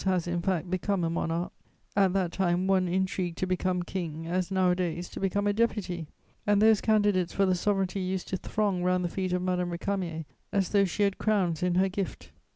has, in fact, become a monarch; at that time one intrigued to become king as nowadays to become a deputy, and those candidates for the sovereignty used to throng round the feet of Madame Récamier as though she had crowns in her gift.